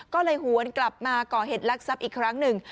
ก็เลยหวนกลับมาก่อเหตุลักษัพอีกครั้งหนึ่ง